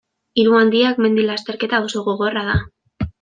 Hiru handiak mendi-lasterketa oso gogorra da.